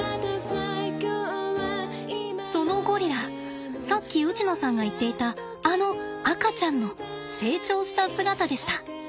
そのゴリラさっきウチノさんが言っていたあの赤ちゃんの成長した姿でした。